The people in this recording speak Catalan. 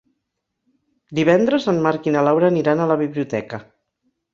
Divendres en Marc i na Laura aniran a la biblioteca.